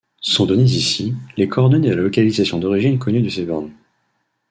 Sont données ici, les coordonnées de la localisation d'origine connue de ces bornes.